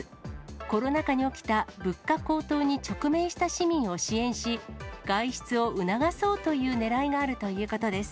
コロナ禍に起きた物価高騰に直面した市民を支援し、外出を促そうというねらいがあるということです。